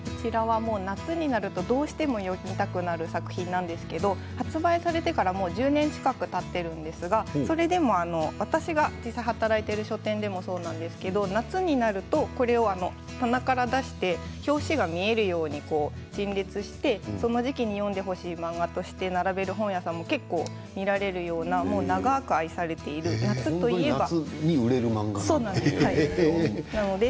夏になると、どうしても読みたくなる作品なんですけど発売されてからもう１０年近くたっているんですがそれでも、私が実際の働く書店でもそうなんですが夏になると棚から出して表紙が見えるように陳列してその時期に読んでほしい漫画として並べる本屋さんが結構見られるような長く愛されている夏といえば、というものです。